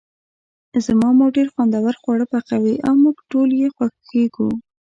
زما مور ډیر خوندور خواړه پخوي او موږ ټول یی خوښیږو